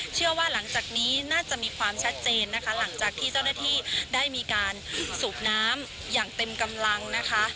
หลังจากนี้น่าจะมีความชัดเจนนะคะหลังจากที่เจ้าหน้าที่ได้มีการสูบน้ำอย่างเต็มกำลังนะคะ